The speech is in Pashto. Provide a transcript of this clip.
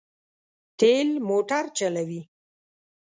تېل موټر چلوي.